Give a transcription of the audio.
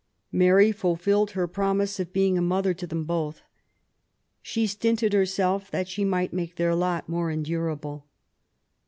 Mary fulfilled her promise of being a mother to them both. She stinted herself that she might make their lot more endurable.